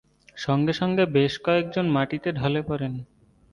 সঙ্গে সঙ্গে বেশ কয়েকজন মাটিতে ঢলে পড়েন।